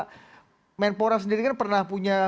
kemenpora sendiri kan pernah punya